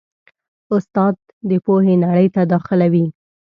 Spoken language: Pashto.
استاد د پوهې نړۍ ته داخلوي.